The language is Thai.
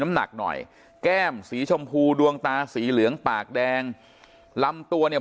น้ำหนักหน่อยแก้มสีชมพูดวงตาสีเหลืองปากแดงลำตัวเนี่ย